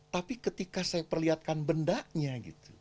tapi ketika saya perlihatkan bendanya gitu